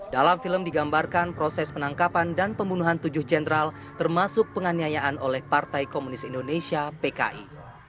dalam film digambarkan proses penangkapan dan pembunuhan tujuh jenderal termasuk penganiayaan oleh partai komunis indonesia pki